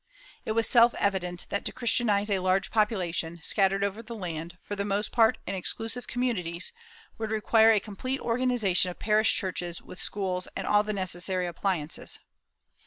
It was self evident that to Christianize a large population, scattered over the land, for the most part in exclusive communities, would require a complete organization of parish churches with schools and all the necessary appliances.